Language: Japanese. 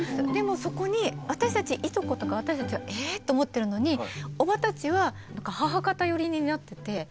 でもそこに私たちいとことか私たちはええ？と思ってるのにおばたちは母方寄りになってて。